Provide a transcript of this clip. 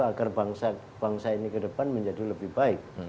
agar bangsa ini ke depan menjadi lebih baik